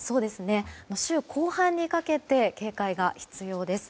週後半にかけて警戒が必要です。